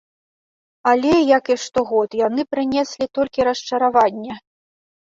Але, як і штогод, яны прынеслі толькі расчараванне.